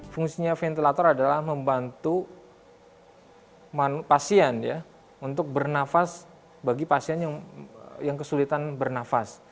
fungsinya ventilator adalah membantu pasien ya untuk bernafas bagi pasien yang kesulitan bernafas